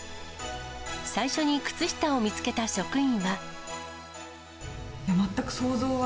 最初に靴下を見つけた職員は。